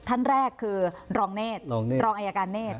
ท่านแรกคือรองเนธรองอายการเนธ